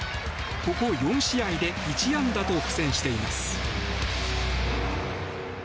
ここ４試合で１安打と苦戦しています。